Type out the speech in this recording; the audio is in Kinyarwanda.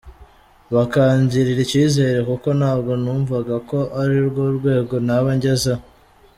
bakangirira icyizere kuko ntabwo numvaga ko ari rwo rwego naba ngezeho.